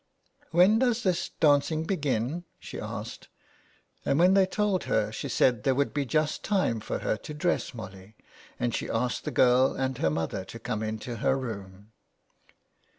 '' When does this dancing begin ?" she asked, and when they told her she said there would be just time for her to dress Molly, and she asked the girl and her mother to come into her room.